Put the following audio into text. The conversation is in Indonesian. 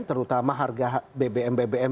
terutama harga bbm bbm